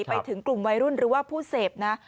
ไปถึงกลุ่มวัยรุ่นหรือว่าผู้เสพนะ